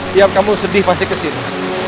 tiap kamu sedih pasti kesini